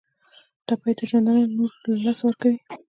ټپي د ژوندانه نور له لاسه ورکوي.